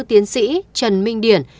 tiến sĩ trần minh điển